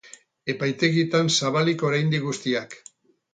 Epaitegietan zabalik oraindik guztiak.